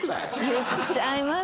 言っちゃいます。